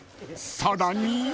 ［さらに］